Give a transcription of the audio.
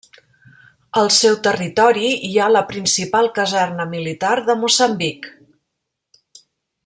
Al seu territori hi ha la principal caserna militar de Moçambic.